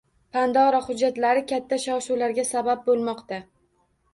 “Pandora hujjatlari” katta shov-shuvlarga sabab bo‘lmoqda